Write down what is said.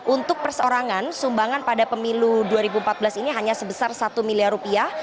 untuk perseorangan sumbangan pada pemilu dua ribu empat belas ini hanya sebesar satu miliar rupiah